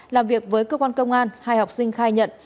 làm việc với cơ quan công an hai học sinh khai nhận